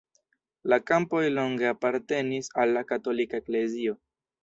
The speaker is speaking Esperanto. La kampoj longe apartenis al la katolika eklezio.